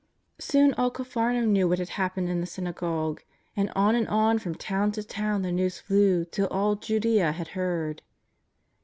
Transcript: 173 Soon all Capharnaum knew what had happened in the synagogue, and on and on from town to town the news flew till all Jiidea had heard.